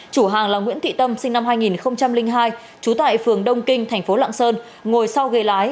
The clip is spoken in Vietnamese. chủ hàng là nguyễn thị tâm sinh năm hai nghìn hai trú tại phường đông kinh thành phố lạng sơn ngồi sau ghế lái